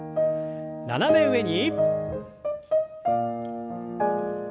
斜め上に。